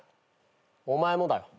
お前もだよ。